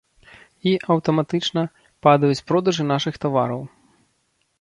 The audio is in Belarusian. І, аўтаматычна, падаюць продажы нашых тавараў.